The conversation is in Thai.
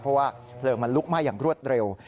เพราะว่าเพลิงมันลุกไหม้อย่างรวดเร็ว